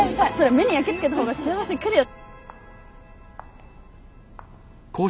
目に焼き付けた方が幸せ来るよ。